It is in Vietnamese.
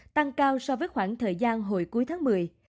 tăng cao so với khoảng thời gian hồi cuối tháng một mươi